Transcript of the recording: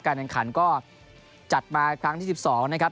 การเนินขันก็จัดมาครั้งที่๑๒นะครับ